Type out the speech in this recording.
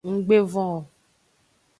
Nggbe von o.